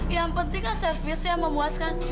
yang penting kan servis ya memuaskan